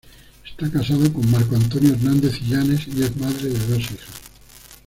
Está casada con Marco Antonio Hernández Illanes, y es madre de dos hijas.